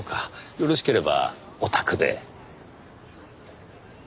よろしければお宅で。